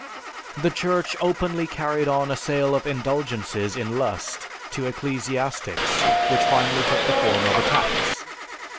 The Church openly carried on a sale of indulgences in lust to ecclesiastics which finally took the form of a tax.